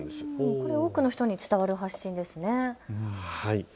これは多くの人に伝わる発信んですね。